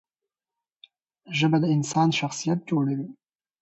ژبه د انسان شخصیت جوړوي.